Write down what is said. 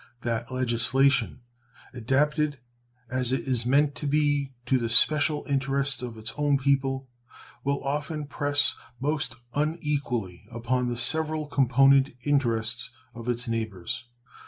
That legislation, adapted, as it is meant to be, to the special interests of its own people, will often press most unequally upon the several component interests of its neighbors.